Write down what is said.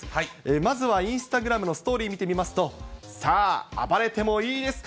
まずはインスタグラムのストーリー見てみますと、さぁー、暴れてもいいですか？